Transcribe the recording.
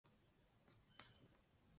但是各部的运动会仍是在各部进行。